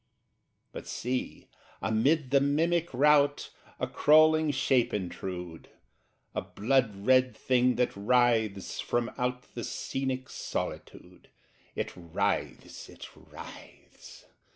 But see, amid the mimic rout A crawling shape intrude! A blood red thing that writhes from out The scenic solitude! It writhes! it writhes!